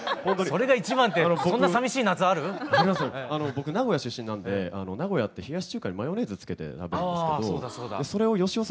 僕名古屋出身なんで名古屋って冷やし中華にマヨネーズつけて食べるんですけどそれを芳雄さん